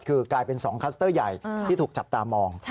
คือกลายเป็น๒คลัสเตอร์ใหญ่ที่ถูกจับตามอง